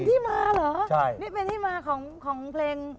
ที่มาเหรอใช่นี่เป็นที่มาของเพลง